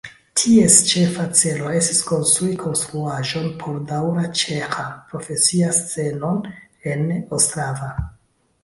Ties ĉefa celo estis konstrui konstruaĵon por daŭra ĉeĥan profesian scenon en Ostrava.